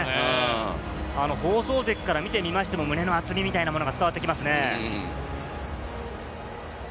放送席から見てみましても、胸の厚みみたいなのが伝わってきますよね。